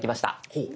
ほう！